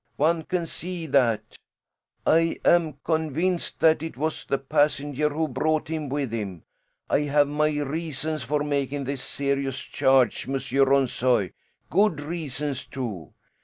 One can see that. I am convinced that it was the passenger who brought him with him. I have my reasons for making this serious charge, Monsieur Ronssoy. Good reasons too.